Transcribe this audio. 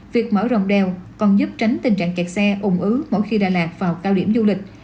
việc mở rộng đèo còn giúp tránh tình trạng kẹt xe ủng ứ mỗi khi đà lạt vào cao điểm du lịch